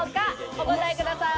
お答えください。